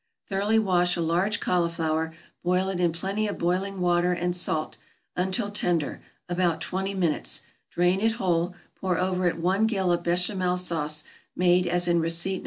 = Thoroughly wash a large cauliflower, boil it in plenty of boiling water and salt, until tender, about twenty minutes; drain it whole; pour over it one gill of Béchamel sauce, made as in receipt No.